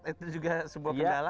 itu juga sebuah kendala